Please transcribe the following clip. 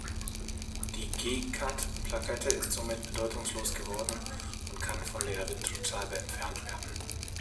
Die G-Kat-Plakette ist somit bedeutungslos geworden und kann von der Windschutzscheibe entfernt werden.